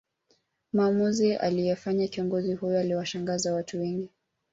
Maamuzi aliyefanya kiongozi huyo aliwashangaza watu wengi